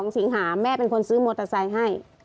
สิงหาแม่เป็นคนซื้อมอเตอร์ไซค์ให้